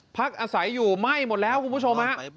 พักอาศัยอยู่ไหม้หมดแล้วคุณผู้ชมฮะ